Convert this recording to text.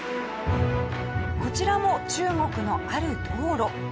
こちらも中国のある道路。